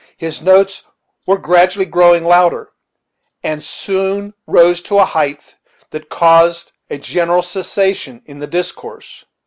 His notes were gradually growing louder, and soon rose to a height that caused a general cessation in the discourse.